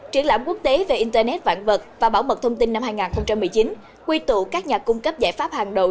triển lãm quốc tế về internet vạn vật và bảo mật thông tin năm hai nghìn một mươi chín quy tụ các nhà cung cấp giải pháp hàng đầu